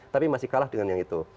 tapi masih kalah dengan yang itu